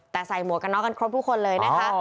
แต่ใส่หมวกกันน็อกกันครบทุกคนเลยนะคะ